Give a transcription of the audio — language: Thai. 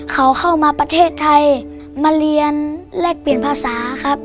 เขาเข้ามาประเทศไทยมาเรียนแลกเปลี่ยนภาษาครับ